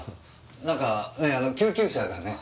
何か救急車がね。